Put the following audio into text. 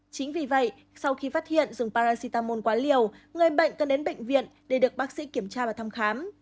chính vì vậy sau khi phát hiện dùng paracetamol quá liều người bệnh cần đến bệnh viện để được bác sĩ kiểm tra và thăm khám